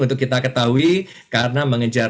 untuk kita ketahui karena